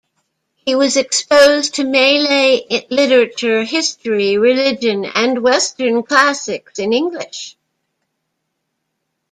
He was exposed to Malay literature, history, religion, and western classics in English.